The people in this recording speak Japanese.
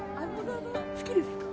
好きですか？